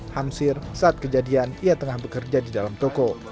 hamsir saat kejadian ia tengah bekerja di dalam toko